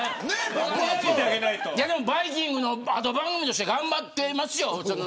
バイキングの後番組として頑張っていますよ。